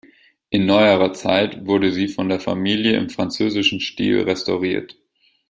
In neuerer Zeit wurde sie von der Familie im französischen Stil restauriert.